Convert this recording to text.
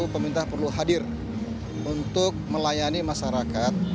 pemerintah perlu hadir untuk melayani masyarakat